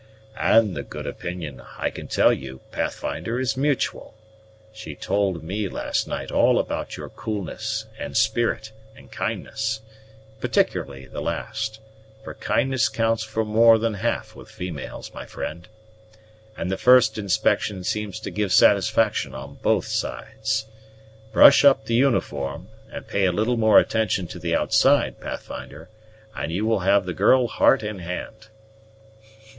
"And the good opinion, I can tell you, Pathfinder, is mutual. She told me last night all about your coolness, and spirit, and kindness, particularly the last, for kindness counts for more than half with females, my friend, and the first inspection seems to give satisfaction on both sides. Brush up the uniform, and pay a little more attention to the outside, Pathfinder, and you will have the girl heart and hand."